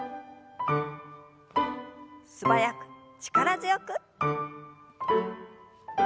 素早く力強く。